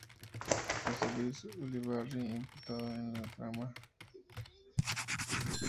Jose Luis Ulibarri, imputado en la trama.